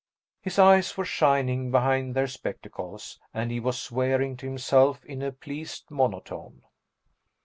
His eyes were shining behind their spectacles, and he was swearing to himself in a pleased monotone.